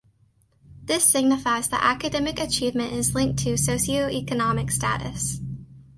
This signifies that academic achievement is linked to socioeconomic status.